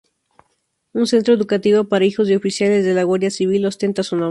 Un Centro Educativo para hijos de Oficiales de la Guardia Civil ostenta su nombre.